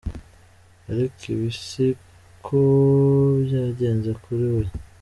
Ariko ibi si ko byagenze kuri we.